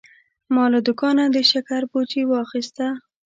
ما له دوکانه د شکر بوجي واخیسته.